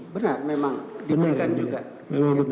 benar memang diberikan juga